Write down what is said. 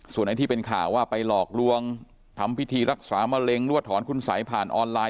ไอ้ที่เป็นข่าวว่าไปหลอกลวงทำพิธีรักษามะเร็งหรือว่าถอนคุณสัยผ่านออนไลน